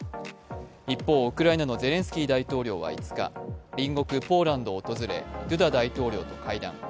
一方、ウクライナのゼレンスキー大統領は５日、隣国ポーランドを訪れドゥダ大統領と会談。